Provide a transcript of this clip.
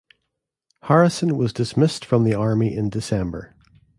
Harrison was dismissed from the Army in December.